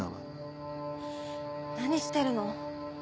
何してるの？